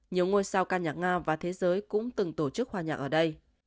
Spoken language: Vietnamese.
nhiều ngôi sao ca nhạc nga và thế giới cũng từng tổ chức hòa nhạc ở đây